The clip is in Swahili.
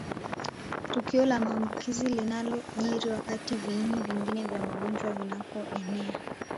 Tukio la maambukizi linalojiri wakati viini vingine vya magonjwa vinapoenea